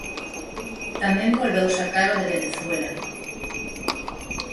Tamén volveu sacar o de Venezuela.